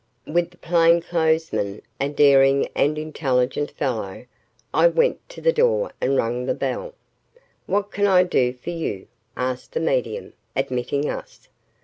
With the plainclothesman, a daring and intelligent fellow, I went to the door and rang the bell. "What can I do for you?" asked the medium, admitting us.